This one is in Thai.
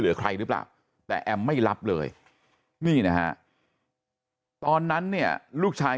เหลือใครหรือเปล่าแต่แอมไม่รับเลยนี่นะฮะตอนนั้นเนี่ยลูกชาย